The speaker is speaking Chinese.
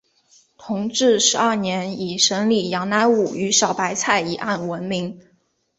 同治十二年以审理杨乃武与小白菜一案闻名。